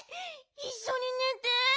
いっしょにねて。